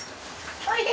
おいで！